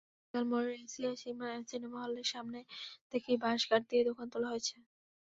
Technical মোড়ের Asia cinema হলের সামনে থেকেই বাঁশ-কাঠ দিয়ে দোকান তোলা হয়েছে।